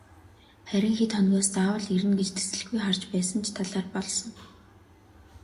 Харин хэд хоногоос заавал ирнэ гэж тэсэлгүй харж байсан ч талаар болсон.